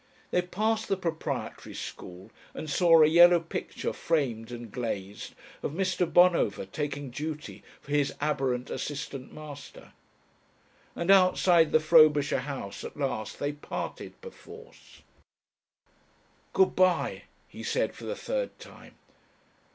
They passed the Proprietary School and saw a yellow picture framed and glazed, of Mr. Bonover taking duty for his aberrant assistant master. And outside the Frobisher house at last they parted perforce. "Good bye," he said for the third time.